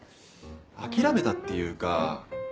諦めたっていうか。